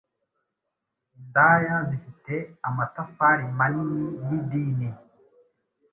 indaya zifite amatafari manini y'idini.